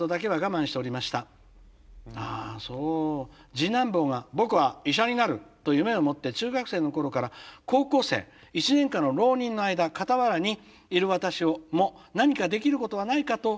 「次男坊が『僕は医者になる！』と夢を持って中学生の頃から高校生１年間の浪人の間傍らにいる私も何かできることはないかとさだコンサートを我慢したんです。